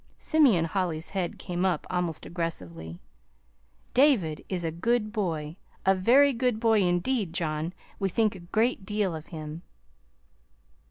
Simeon Holly's head came up almost aggressively. "David is a good boy a very good boy, indeed, John. We think a great deal of him."